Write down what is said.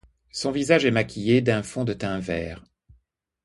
Son visage est maquillé d'un fond de teint vert.